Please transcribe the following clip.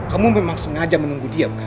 kamu memang sengaja menunggu dia bukan